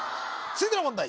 続いての問題